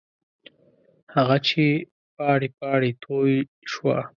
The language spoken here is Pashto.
هغه چې پاڼې، پاڼې توی شوه